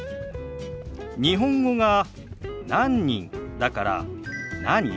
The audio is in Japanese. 日本語が「何人」だから「何？」